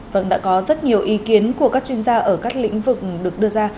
vâng đã có rất nhiều ý kiến của các chuyên gia ở các lĩnh vực được đưa ra